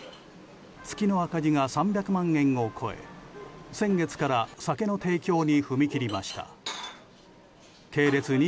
月の赤字が３００万円を超え先月から酒の提供に踏み切りました。